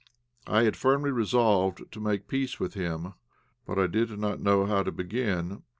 I had firmly resolved to make peace with him, but I did not know how to begin.